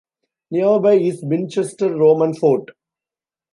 Nearby is Binchester Roman Fort.